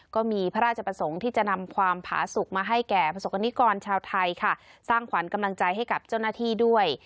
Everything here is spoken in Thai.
ก็มีพระราชประสงค์ที่จะนำความผาสุขมาให้แก่ประสบกรณิกรชาวไทยค่ะสร้างขวัญกำลังใจให้กับเจ้าหน้าที่ด้วย